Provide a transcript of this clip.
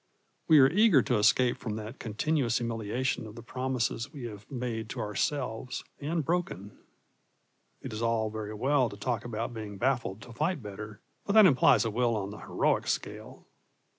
We are eager to escape from that continuous humiliation of the promises we have made to ourselves and broken. It is all very well to talk about being baffled to fight better, but that implies a will on the heroic scale.